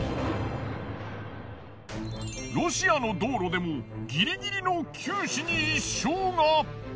ロシアの道路でもギリギリの九死に一生が！